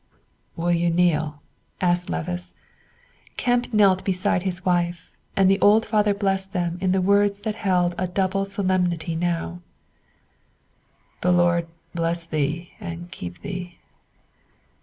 "Will you kneel?" asked Levice; Kemp knelt beside his wife, and the old father blessed them in the words that held a double solemnity now: "'The Lord bless thee and keep thee.